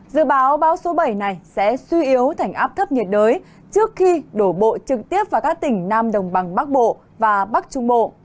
dự báo bão số bảy này sẽ suy yếu thành áp thấp nhiệt đới trước khi đổ bộ trực tiếp vào các tỉnh nam đồng bằng bắc bộ và bắc trung bộ